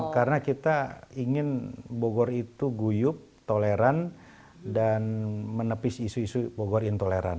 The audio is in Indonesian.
karena kita ingin bogor itu guyup toleran dan menepis isu isu bogor intoleran